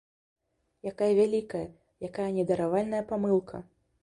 Якая вялікая, якая недаравальная памылка!